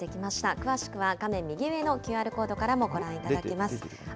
詳しくは画面右上のＱＲコードからもご覧いただけます。